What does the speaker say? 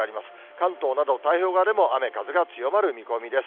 関東など太平洋側でも雨風が強まる見込みです。